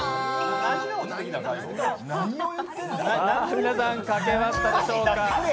皆さん描けましたでしょうか。